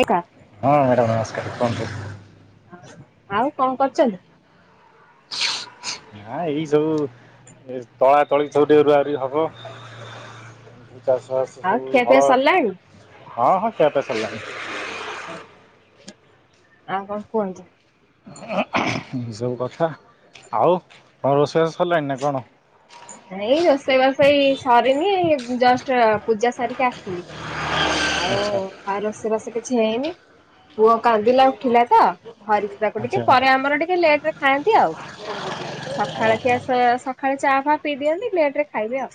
I କା ହଁ madam ନମସ୍କାର କୁହନ୍ତୁ। ଆଉ କଣ କରୁଛନ୍ତି? ନାଁ ଏଇ ସବୁ ଏ ତଳା ତଳି ସବୁ ଟିକେ ରୁଆ ରୁଇ ହବ। ଚାଷବାସ ଆଉ ଖିଆ ସବୁ ପିଆ ହଳ ସରିଲାଣି? ହଁ ହଁ ଖିଆ ପିଆ ସାରିଲାଣି। ଆଉ କଣ କୁହନ୍ତୁ? ଏ ସବୁ କଥା ଆଉ କଣ ରୋଷେଇ ବାସ ସରିଲାଣି ନା କଣ? ନାଇଁ ରୋଷେଇ ବାସ ଏଇ ସରିନି ଜଷ୍ଟ ପୂଜା ସାରିକି ଆସିିଲି। ଆଉ ଆଉରୋଷେଇ ଵାଷ କିଛି ହେଇନି। ନ ପୁଅ ପା କାନ୍ଦିଲା ଉଠିଲା ତ ଧରିଛି [unintelligible] ତାକୁ ଟିକେ ପରେ ଆମର ଟିକେ ଲେଟ ରେ ଖାଆନ୍ତି ଆଉ ପଖାଳ ଓହୋ ଖିଆ ଆସ ସକାଳେ ଚା ଫା ପିଇ ଦିଅନ୍ତି ଲ୍ଲେଟ ରେ ଖାଇବେ ଆଉ।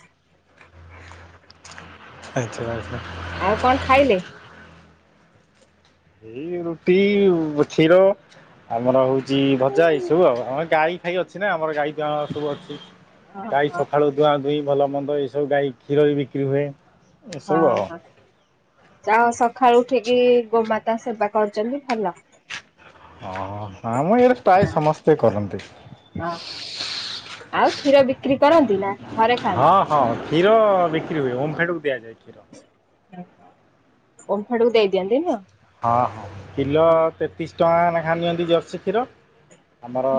ଆଛା ଆଛା। [unintelligible] ଆଉ କଣ ଖାଇଲେ? ଏଇ ରୁଟି କ୍ଷୀର ଆମର ହଉଛି ଭଜା ଏଇ ସବୁ ଆଉ ଆମ ଗାଈ ଗାଈ ଅଛି ନା ଆମର ଗାଈ ଗୁଆ ସବୁ ଅଛି ଗାଈ ଓହୋ ସ ଠାରୁ ଧୁଆଁ ଧୁଇଁ ଭଲ ମନ୍ଦ ଏଇସବୁ ଗାଈ କ୍ଷୀର ବି ବିକ୍ରି ହୁଏ। ହଁ ଏସବୁ ଆଉ ହଁ ଯାହା ହଉ ସକାଳୁ ଉଠିକି ଗୋମାତା ସେବା କରୁଛନ୍ତି ଭଲ। ହଁ ଇଆଡେ ପ୍ରାୟ ସମସ୍ତେ କରନ୍ତି। ଓହୋ ଆଉ କ୍ଷୀର ବିକ୍ରି କରନ୍ତି ନା? ଘରେ ହଁ ଖାଆନ୍ତି ହଁ କ୍ଷୀର ବିକ୍ରି ହୁଏ ଓମଫେଡକୁ ଦିଆଯାଏ କ୍ଷୀର। ଓମ୍ଫେଡକୁ ଦେଇଦିଅନ୍ତି ନୁହଁ? ହଁ ହଁ କିଲୋ ତେତିଶ ଟଙ୍କା ଲେଖା ନିଅନ୍ତି ଜର୍ସି କ୍ଷୀର। ଆମର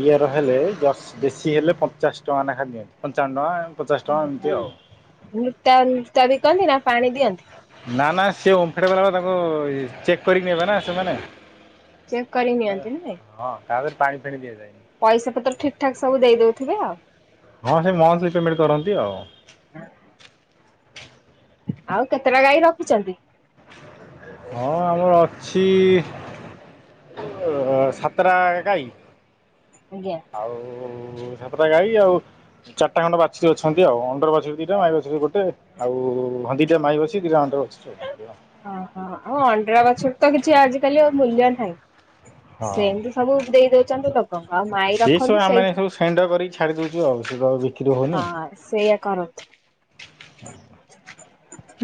ଇଏର ହେଲେ ଜର୍ସି ଦେଶୀ ହେଲେ ପଚାଶ ଟଙ୍କା ନେଖା ଦିଅନ୍ତି ପଞ୍ଚାବ ଟଙ୍କା ପଚାଶ ଟଙ୍କା ଏମିତି ଆଉ। ନୃତା ନୃତା ବିକନ୍ତି ନା ପାଣି ଦିଅନ୍ତି? ନା ନା ସେ ଓଫେଡବାଲା ତାଙ୍କୁ ଚେକ୍ କରିକି ନେବେ ନା ସେମାନେ। ଚେକ୍ କରି ନିଅନ୍ତି ନୁହେଁ। ହଁ ତାହାରେ ପାଣି ଫେଣି ଦିଆ ଯାଏନି। ପଇସା ପତ୍ର ଠିକ ଠାକ ସବୁ ଦେଇଦଉଥିବେ ଆଉ? ହଁ ସେ ମଂଥଲି ପେମେଣ୍ଟ କରନ୍ତି ଆଉ। ଆଉ କେତେଟା ଗାଈ ରଖୁଛନ୍ତି? ହଁ ଆମର ଅଛି ସାତଟା ଗାଈ। ଆଜ୍ଞା। ଆଉ ସାତଟା ଗାଈ ଆଉ ଚାରିଟା ଖଣ୍ଡ ବାଛୁରି ଅଛନ୍ତି ଆଉ ଅଣ୍ଡିରା ବାଛୁରୀ ଦିଟା ମାଇ ବାଛୁରି ଗୋଟେ। ଆଉ ହ ଦିଟା ମାଇ ବାଛୁରୀ ଦିଟା ଅଣ୍ଡିରା ବାଛୁରୀ। [unintelligible] ଓହୋ ଉ ଅଣ୍ଡିରା ବାଛରି ତ କିଛି ଆଜିକାଲି ଆଉ ମୂଲ୍ୟ ନାହିଁ? ହଁ ସେମିତି ସବୁ ଦେଇ ଦଉଛନ୍ତି ଲୋକଙ୍କୁ ଆଉ ମା ସେ ସବୁ ଆମେ ସବୁ ସେଣ୍ଣ୍ଡ କରିକି ଛାଡି ଦଉୁଛୁ ଆଉ ସେ ତ ବିକ୍ରି ହଉନି। ସେଇୟା କରନ୍ତୁ। [unintelligible]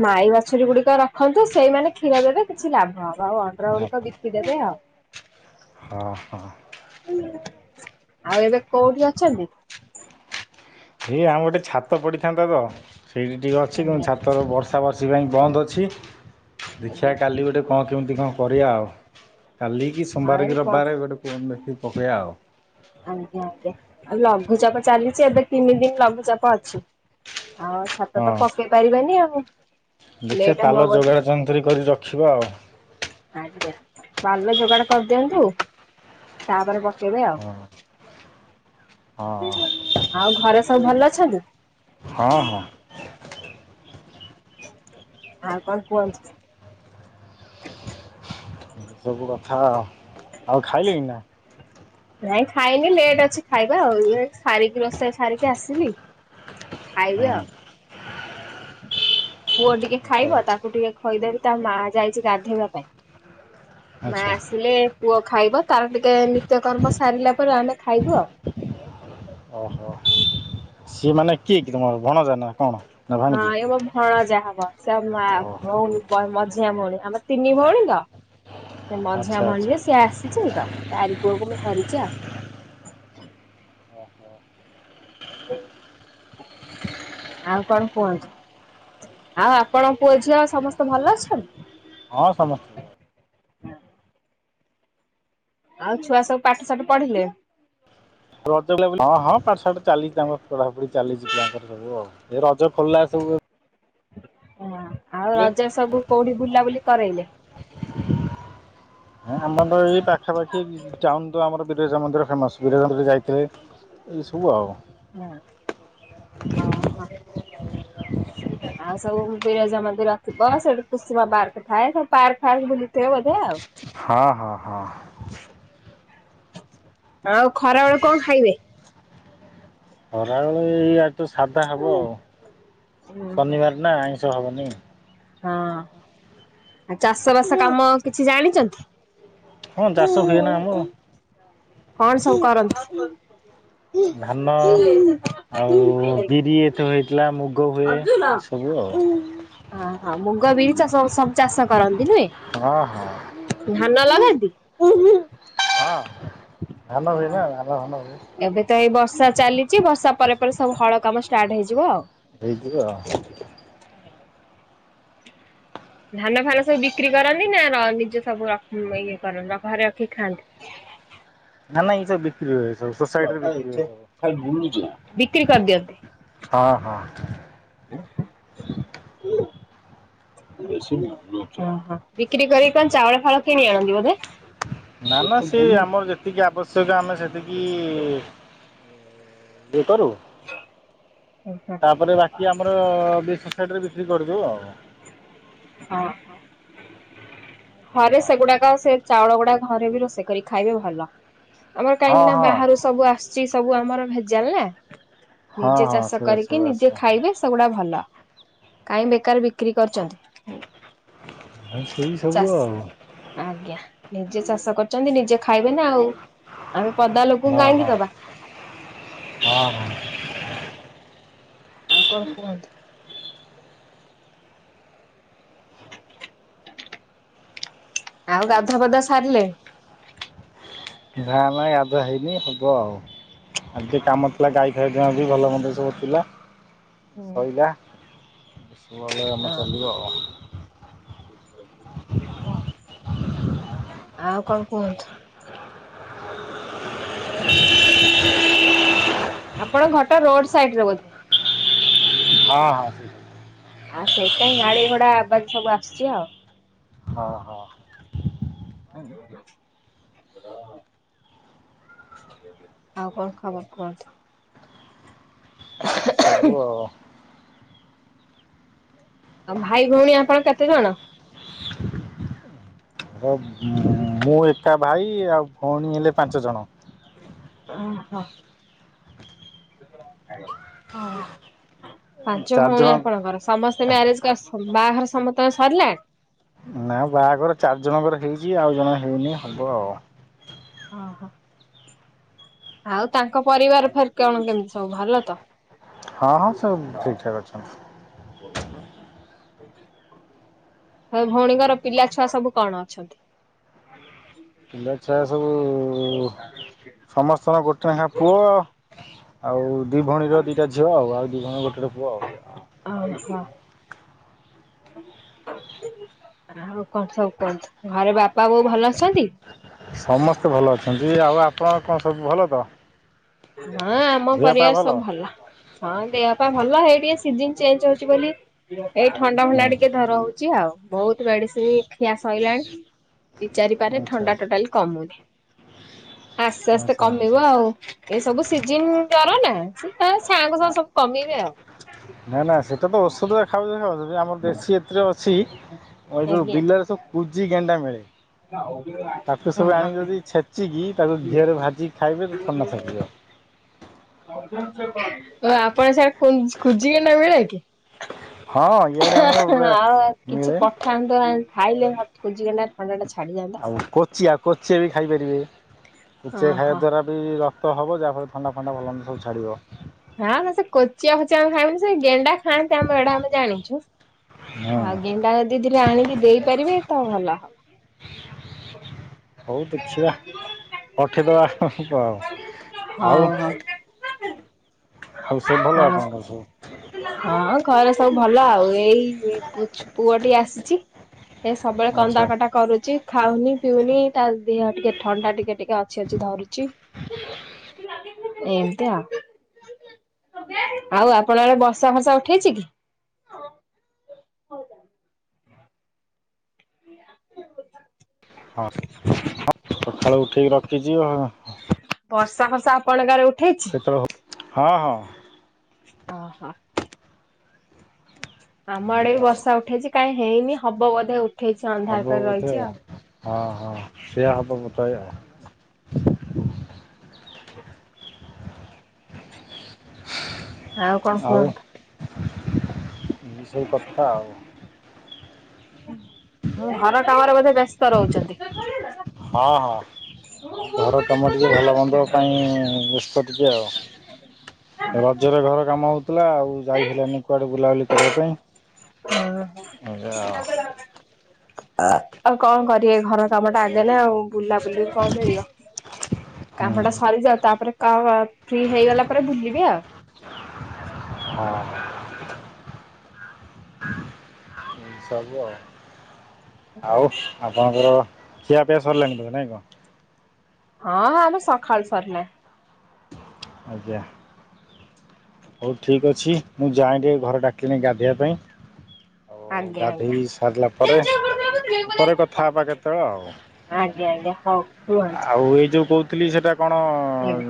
ମାଇ ବାଛୁରୀ ଗୁଡିକ ରଖନ୍ତୁ ସେଇମାନେ କ୍ଷୀର ଦେବେ କିଛି ଲାଭ ହବ ଆଉ ଅ ହଁ ହଁ। ଆଉ ଏବେ କୋଉଠି ଅଛନ୍ତି? ସେଇ ଆମ ଗୋଟେ ଛାତ ପଡିଥାନ୍ତା ତ ସେଇଠି ଟିକେ ଅଛି କି ଆଜ୍ଞା ଛାତ ବର୍ଷ ବଷା ବର୍ଷି ପାଇଁ ବନ୍ଦ ଅଛି ଆଜ୍ଞା। ଦେଖିବା କାଲି ଗୋଟେ କଣ କେମିତି କଣ କରିବା ଆଉ କାଲିକି ହଁ ସୋମବାର ଏଇ କି ପ ରବିବାରେ ଗୋଟେ ମେଥିିକ ପକେଇବା ଆଉ। ଆଜ୍ଞା ଆଜ୍ଞା ଆଉ ଲଘୁଚାପ ଚାଲିଛି ଏବେ ତିନି ଦିନ ଲଘୁଚାପ ଅଛି ଆଉ ଛାତ ତ ହଁ ପକେଇ ପାରିବାନି ଆଉ। ଦେଖିବା ଲେଟ୍ ହବ ପାଲ ବୋଧେ। ଯୋଗାଡ଼ ଯନ୍ତ୍ରୀ କରି ରଖିବା ଆଉ। ଆଜ୍ଞା ପାଲ ଯୋଗାଡ କରିଦିଅନ୍ତୁ। ତାପରେ ପକେଇବେ ହଁ ହଁ। ଆଉ। ଆଉ ଘରେ ସବୁ ଭଲ ଅଛନ୍ତି? ହଁ ହଁ। ଆଉ କଣ କୁହନ୍ତୁ। ଏ ସବୁ କଥା ଆଉ, ଆଉ ଖାଇଲେଣି ନା? ନାଇଁ ଖାଇନି ଲେଟ୍ ଅଛି ଖାଇବା ଆଉ ଏ ସାରିକି ରୋଷେଇ ସାରିକି ଆସିଲି। ଖାଇବି ହଁ। ଆଉ। ପୁଅ ଟିକେ ଆଚ୍ଛା ଖାଇବ ଆଚ୍ଛା ତାକୁ ଟିକେ ଖୋଇଦେବି ତା ମା ଯାଇଚି ଗାଧେଇବା ପାଇଁ। ମା ଆଚ୍ଛା ଆସିଲେ ପୁଅ ଖାଇବ ତାର ଟିକେ ନିତ୍ୟକର୍ମ ସାରିଲା ପରେ ଆମେ ଖାଇବୁ ଆଉ। ଓହୋ ସିଏ ମାନେ କିଏ କି ତମର ଭଣଯା ନା କଣ? ନା ହଁ ଭାଣିଜୀ? ଏ ମୋ ଭଣଜା ହବ। ସେ ମା ଓହୋ ଭଉଣି ମ-ମଝିଆଁ ଭଉଣି ଆମର ତିନି ଭଉଣୀ ତ ସେ ଆଚ୍ଛା ମଝିଆଁ ଆଚ୍ଛା ଭଉଣୀ ସିଏ ଆସିଛି ତ ତାରି ପୁଅକୁ ମୁଁ ଧରିଚ ଆଉ। ଓହୋ। [unintelligible] ଆଉ କଣ କୁହନ୍ତୁ। ଆଉ ଆପଣଙ୍କ ପୁଅ ଝିଅ ସମସ୍ତେ ଭଲ ଅଛନ୍ତି? ହଁ ସମସ୍ତେ ଆଉ ଛୁଆ ସବୁ ପାଠ ଷାଠ ପଢିଲେ। ହଁ ପାଠ ଷାଠ ଚାଲିଚି ତାଙ୍କ ପଢାପଢି ଚାଲିଚି ପିଲାଙ୍କର ସବୁ ଆଉ ଏ ରଜ ଖୋଲିଲା ସବୁ ହଁ ଆଉ ଏବେ ରଜରେ ସବୁ କୋଉଠି ବୁଲାବୁଲି କରେଇଲେ? ଏ ଆମର ତ ଏଇ ପାଖାପାଖି ଟାଉନଟୁ ଆମର ବିରଜା ମନ୍ଦିର ଫେମସ୍ ବିରାଜ ମନ୍ଦିର ଯାଇ [inaudible] ହଁ ହଁ। [unintelligible] ଆଉ ସବୁ ବିରଜା ମନ୍ଦିର ଥିବ ସେଇଠୁ କୁସୁମା ପାର୍କ ଥାଏ ସବୁ ପାର୍କ ଫାର୍କ ବୁଲିଥିବେ ବୋଧେ ଆଉ। ହଁ ହଁ ହଁ। ଆଉ ଖରା ବେଳେ କଣ ଖାଇବେ? ଖରାବେଳେ ଏଇ ଆଡେତ ସାଧା ହବ। ହଁ ଶନିବାର ନା ଆଇଁଷ ହବନି। ହଁ। ଆ ଚାଷ ବାସ କାମ କିଛି ଜାଣିଚନ୍ତି? ହଁ ଚାଷ ହୁଏ ନା ଆମର। କଣ ସବୁ କର ଧାନ ଆଉ ବିରି [unintelligible] ହେଇଥିଲା ମୁଗ ହୁଏ ଏସବୁ ଆଉ। ଆଁ ହୋଉ ମୁଗ ବିରି ଚାଷ ସବୁ ଚାଷ କରନ୍ତି ନୁହେଁ। ହଁ ହଁ ଧାନ ଲଗାନ୍ତି? ହଁ ଧାନ ହୁଏ ନା ଧାନ ଫାନ ହୁଏ। ଏବେ ତ ଏଇ ବର୍ଷା ଚାଲିଚି। ବର୍ଷା ପରେ ପରେ ସବୁ ହଳ କାମ ଷ୍ଟାର୍ଟ ହେଇଯିବ ଆଉ। ହେଇଯିବ। ଧାନ ଫାନ ସବୁ ବିକ୍ରି କରନ୍ତି ନା ର ନିଜ ସବୁ ରକ ଇଏ କରନ୍ତି ର ଘରେ ରଖିକି ଖାଆନ୍ତି? ନା ନା ଏଇ ସବୁ ବିକ୍ରି ହୁଏ। ଏ ସବୁ ସୋସାଇଟିରେ ବିକ୍ରି ହୁଏ ବିକ୍ରି ସବୁ। କରିଦିଅନ୍ତି ହଁ ହଁ। [unintelligible] ଓହୋ ବିକ୍ରି କରିକି କଣ ଚାଉଳ ଚାଉଳ କିଣି ଆଣନ୍ତି ବୋଧେ? ନା ନା ସେ ଆମର ଯେତିକି ଆବଶ୍ୟକ ଆମେ ସେତିକି ଇଏ କରୁ। [inaudible] ତାପରେ ବାକି ଆମର ବି ସୋସାଇଟି ରେ ବିକ୍ରି କରୁଚୁ ଆଉ। ହଁ ହରେ ସେଗୁଡାକ ସେ ଚାଉଳ ଗୁଡା ଘରେ ବି ରୋଷେଇ କରି ଖାଇବେ ଭଲ ଆମର ହଁ କାହିଁକି ନା ହଁ ବାହାରୁ ସବୁ ଆସିୁଛି ସବୁ ଆମର ଭେଜାଲ ନା। ହଁ ନିଜେ ହଁ ଚାଷ ସେଗୁରା କରିକି ସବୁ ନିଜେ ଆସେ ଖାଇବେ ସେଗୁଡା ଭଲ କାହିଁ ବେକାର ବିକ୍ରି କରୁଚନ୍ତି। ହଁ ହୁଁ ସେଇ ସବୁ ଚାଷି। ଆଉ ଆଜ୍ଞା ନିଜେ ଚାଷ କରୁଚନ୍ତି ନିଜେ ଖାଇବେନା ଆଉ ଆମେ ପଦା ଲୋକଙ୍କୁ ହଁ କାହିଁକି ହଁ ଦବା। ହଁ ହଁ। ଆଉ କଣ କୁହନ୍ତୁ? ଆଉ ଗାଧୁଆ ପଧୁଆ ସାରିଲେଣି? ନା ନାଇଁ ଗଧୁଆ ହେଇନେହିଁ ହବ ଆଉ ଟିକେ କାମଥିଲା ଗାଇ ସେଦିନ ବି ଭଲ ମନ୍ଦ ସବୁ ଥିଲା ହୁଁ ଶଇଲା ସବୁ ଭଲହେଲା। ହଁ। ଆଉ କଣ କୁହନ୍ତୁ? ଆପଣଙ୍କ ଘରଟା ରୋଡ ସାଇଟି ରେ ବୋଧେ? ହଁ ହଁ। ଠିକ୍ ଆଉ ସେଇଥିପାଇଁ ଗାଡି ଘୋଡା ଆବାଜ ସବୁ ଆସୁଚି ଆଉ। ହଁ ହଁ। [inaudible] ଆଉ କଣ ଖବର କୁହନ୍ତୁ? ସବୁ ଆଉ। ଆଉ ଭାଇ ଭୋଉଣୀ ଆମପାଇଁ କେତେ ଜଣ? ମୁଁ ଏକା ଭାଇ ଆଉ ଭୋଉଣୀ ହେଲେ ପାଞ୍ଚ ଜଣ। ଓ ହୋ। ଆଜ୍ଞା ହଁ ପାଞ୍ଚ ଚାରି ଜଣ ଭୋଉଣୀ ଆପଣଙ୍କର ସମସ୍ତ ସେ ମ୍ୟାରେଜ୍ କରିଛନ୍ତି ବାହାଘର ସମସ୍ତଙ୍କର ସରିଲା? ନା ବାହାଘର ଚାରିଜଣଙ୍କର ହେଇଚି ଆଉ ଜଣକର ହେଇନେହିଁ ହବ। ଓହୋ ଆଉ ତାଙ୍କ ପରିବାର ଫେରେ କଣ କେମିତି ସବୁ ଭଲ ତ? ହଁ ହଁ ସବୁ ଠିକ୍ ଠାକେ ଅଛନ୍ତି। ଆଉ ଭୋଉଣୀଙ୍କର ପିଲାଛୁଆ ସବୁ କଣ ଅଛନ୍ତି? ପିଲାଛୁଆ ସବୁ ସମସ୍ତଙ୍କର ଗୋଟେ ନେଖା ପୁଅ। ଆଉ ଦି ଭୋଉଣୀର ଦିଟା ଝିଅ ଆଉ ଆଉ ଦି ଭୋଣୀର ଗୋଟେ ଗୋଟେ ପୁଅ ଆଉ ଏଇଆ। ଓହୋ। ଆଉ କଣ ସବୁ କୁହନ୍ତୁ ଘରେ ବାପା ବୋଉ ଭଲ ଅଛନ୍ତି? ସମସ୍ତେ ଭଲ ଅଛନ୍ତି ଆଉ ଆପଣ କଣ ସବୁ ଭଲ ତ? ହଁ ଆମ ଦେହ ପା ପରିବାର ସବୁ ଭଲ। ହଁ ଦେହପା ଭଲ ଏଇ ଟିକେ ସିଜିନି ଚେଞ୍ଜେ ହଉଚି ବୋଲି ଏଇ ଥଣ୍ଡା ହୁଁ ଫଣ୍ଡା ଟିକେ ଧର ହୋଉଚି। ଆଉ ବହୁତୁ ମେଡ଼ିସିନ୍ ଖିଆ ସଇଲାଣି ଦି ଚାରିପାରେ ଆଚ୍ଛା ଥଣ୍ଡା ଟୋଟାଲି କମୁନି ଆସ୍ତେ ଆସ୍ତେ ଆଚ୍ଛା। କମିବ ଆଉ। ଏ ସବୁ ସିଜିନି ଜର ନା ସେ ତା ଗାଆଁକୁ ସବୁ କମିବେ ଆଉ। ନା ନା ସେଇଟା ତ ଔଷଧ ଖାଉଛନ୍ତି ଖାଉଛନ୍ତି ଆମର ଦେଶୀ ଏଥିରେ ଅଛି। ଯୋଉ ଆଜ୍ଞା। ବିଲରେ ସବୁ କୁଜି ଗେଣ୍ଡା ମିଳେ ତାକୁ ସବୁ ଆଣିକି ଓ ଯଦି ଛେ ଛେଚିକି ତାକୁ ଘିଅରେ ଭାଜିକି ଖାଇବେ ତ ଥଣ୍ଡା ଛାଡ଼ିଯିବ। ତ ଆପଣଙ୍କ ସେଆଡ଼େ ଙ୍କୁ କୁଜିଗେଣ୍ଡି ମିଳେ କି? ହଁ ଇଆଡ଼େ ଆମର ପୁରା ଆଉ କିଛି ମିଳେ ପଠାନ୍ତୁ ଖାଇଲେ ମତେ [unintelligible] ଆଉ କୋଚିଆ କୋଚିଆ ବି ଖାଇପାରିବେ କୋଚିଆ ଖାଇବା ଓହୋ ଦ୍ଵାରା ବି ରକ୍ତ ହବ ଯାହାଫଳରେ ଥଣ୍ଡା ଫଣ୍ଡା ଭଲମନ୍ଦ ସବୁ ଛାଡ଼ିବ। ହଁ ନା ସେ କୋଚିଆ ଖୋଚିଆ ଆମ ଖାଇବନି ସେ ଗେଣ୍ଡା ଖାଆନ୍ତି ଆମ ଆଡେ ଆମେ ଜାଣିଛୁ। ହଁ ଆଉ ଗେଣ୍ଡା ଜଦି ଦିଟା ଆଣିକି ଦେଇପାରିବେ ତ ଭଲ ହବ। ହଉ ଦେଖିବା ପଠେଇଦବା ହଉ ଆଉ [inaudible] ଆଉ ସବୁ ଭଲ ହଁ ଆପଣଙ୍କର ସବୁ? ହଁ ଘରେ ସବୁ ଭଲ ଆଉ ଏଇ ପୁଅ ଟି ଆସିଛି। ଏ ସବୁବେଳେ କନ୍ଦା ଆଚ୍ଛା କଟା କରୁଛି ଖାଉନି ପିଉନି ତା ଦେହ ଟିକେ ଥଣ୍ଡା ଟିକେ ଟିକେ ଅଛି ଅଛି ଧରୁଛି ଏମତି ଆଉ। ଆଉ ଆପଣ ଆଡେ ବସା ଫସା ଉଠେଇଛି କି? ହଁ ସକାଳକୁ ଉଠିକି ରଖିଛି ଆଉ। ବର୍ଷା ଫର୍ଷା ଆପଣଙ୍କ ଗାଁରେ ଉଠେଇଛି? ହଁ ହଁ। ଓ ହୋ। ଆମ ଏଇ ଆଡେ ବି ଆଉ। ବର୍ଷା ଉଠେଇଛି କାଇହିଁ ହେଇନି ହବ ବୋଧେ ଉଠେଇଛି ହବ ଅନ୍ଧାରକରି ବୋଧେ ରହିଛି ଆଉ। ହଁ ହଁ ସେୟା ହବ ବୋଧେଏ। ଆଉ କଣ କୁହନ୍ତୁ? ଏ ସବୁ କଥା ଆଉ। ହୁଁ ଘର କାମରେ ବୋଧେ ବ୍ୟସ୍ତ ରହୁଛନ୍ତି। ହଁ ହଁ। ଘର କାମ ଟିକେ ଭଲ ମନ୍ଦ ପାଇଁ ବ୍ୟସ୍ତ ଟିକେ ଆଉ। ରଜରେ ଘର କାମ ହଉଥିଲା ଆଉ ଯାଇ ହେଲାନି କୁଆଡେ ବୁଲାବୁଲି କରିବା ପାଇଁ। ହଁ ଯାଅ। ଆଉ କଣ କରିବେ ଘର କାମ ଟା ଆଗେ ନା ଆଉ ବୁଲା ବୁଲିରୁ କଣ ମିଳିବ। ଆଉ କାମ ହୁଁ ଟା ସରିଯାଉ ତାପରେ କ ଫ୍ରି ହେଇଗଲା ପରେ ଭୁଲିବେ ଆଉ। ହଁ। ଏଇ ସବୁ ଆଉ ଆଉ ଆପଣଙ୍କର ଖିଆପିଆ ସରିଲାଣି ତ ନାଇଁ କଣ? ହଁଁ ହଁ ଆମ ସକାଳୁ ସରିଲାଣି। ଆଜ୍ଞା ହଉ ଠିକ୍ ଅଛି ମୁଁ ଯାଏ ଟିଏଁ ଘର ଡାକିଲେଣି ଗାଧୋଇବା ପାଇଁ। ଆଉ ଆଜ୍ଞା ଆଜ୍ଞା। ଗାଧୋଇ ସାରିଲା ପରେ ପରେ କଥା ହବା କେତେବେଳେ ଆଉ। ଆଜ୍ଞା ଆଜ୍ଞା ହଉ। ରୁହନ୍ତୁ ଆଉ ଏଇ ଯୋଉ କହୁଥିଲି ସେଇଟା କଣ ଆଜ୍ଞା।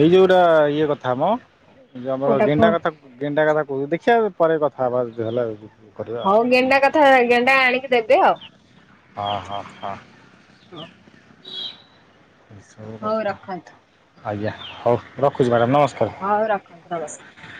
ଏଇ ଯୋଉଟା ଇଏ କଥା ମ ଯଉ ଆମର କୋଉଟା ଗେଣ୍ଡା କୁହ କଥା ଗେଣ୍ଟା କଥା କହୁ ଦେଖିବା ପରେ କଥା ହବା ଯଦି ହେଲା କରିବା ଆଉ ହଉ ଗେଣ୍ଡା କଥା ଗେଣ୍ଡା ଆଣିକି ଦେବେ ଆଉ। ହଁ ହଁ ହଁ। ହଉ। ଏ ସବୁ କଥା ରଖନ୍ତୁ ଆଜ୍ଞା ହଉ ରଖୁଛି ମ୍ୟାଡ଼ାମ ନମସ୍କାର। ହଉ ରଖନ୍ତୁ ନମସ୍କାର।